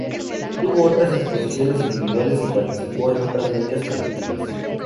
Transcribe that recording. Tuvo otras exposiciones individuales y participó en otras muchas colectivas.